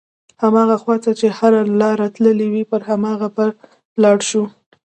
هماغه خواته چې هره لاره تللې وي پر هماغه به لاړ شو.